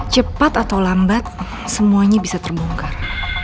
cepat atau lambat semuanya bisa terbongkar